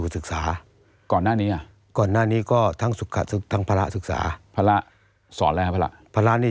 เรื่องราวของครูหมีเนี่ยเริ่มต้นมาจากครูหมี